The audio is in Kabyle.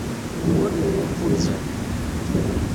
Ur yelli yeffunzer.